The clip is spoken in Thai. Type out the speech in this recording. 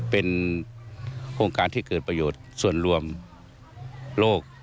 เป็นโครงการที่เกิดประโยชน์ส่วนรวมโลก